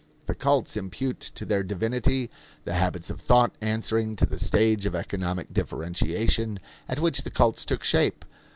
The cults impute to their divinity the habits of thought answering to the stage of economic differentiation at which the cults took shape.